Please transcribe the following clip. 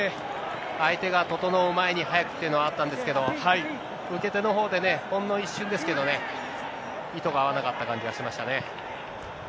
相手が整う前に速くというのはあったんですけど、受け手のほうでね、ほんの一瞬ですけどね、意図が合わなかった感じがしましたね。